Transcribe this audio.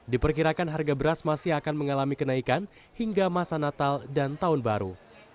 diperkirakan harga beras masih akan mengalami kenaikan hingga masa natal dan tahun baru